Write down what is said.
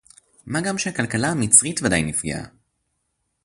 מה גם שהכלכלה המצרית ודאי נפגעה